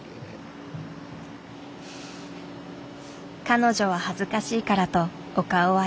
彼女は恥ずかしいからとお顔はＮＧ。